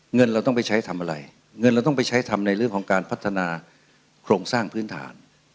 เงินเราต้องไปใช้ทำอะไรเงินเราต้องไปใช้ทำในเรื่องของการพัฒนาโครงสร้างพื้นฐาน